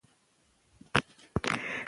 ښوونکي ماشومانو ته ښه اخلاق ور زده کړل.